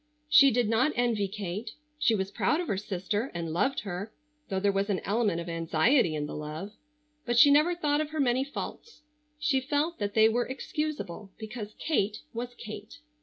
She did not envy Kate. She was proud of her sister, and loved her, though there was an element of anxiety in the love. But she never thought of her many faults. She felt that they were excusable because Kate was Kate.